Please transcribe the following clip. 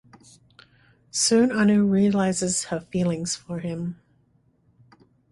Soon Anu realizes her feelings for him.